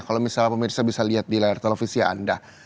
kalau misalnya pemirsa bisa lihat di layar televisi anda